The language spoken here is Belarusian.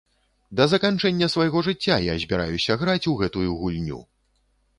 Да заканчэння свайго жыцця я збіраюся граць у гэтую гульню!